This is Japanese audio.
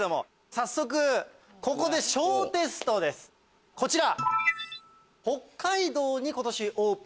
早速ここで小テストですこちら。